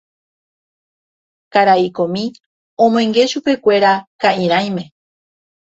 Karai komi omoinge chupekuéra ka'irãime.